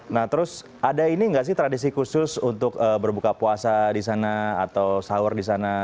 nah terus ada ini nggak sih tradisi khusus untuk berbuka puasa di sana atau sahur di sana